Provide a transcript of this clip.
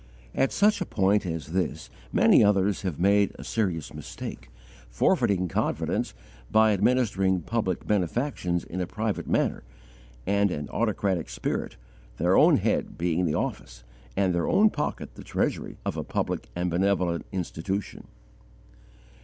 At such a point as this many others have made a serious mistake, forfeiting confidence by administering public benefactions in a private manner and an autocratic spirit their own head being the office, and their own pocket the treasury, of a public and benevolent institution.